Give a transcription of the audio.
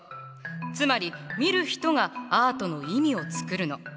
つまり見る人がアートの意味をつくるの。